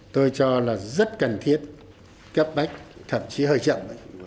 tôi cho là rất cần thiết cấp bách thậm chí hơi chậm